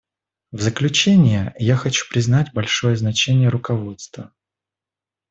В заключение я хочу признать большое значение руководства.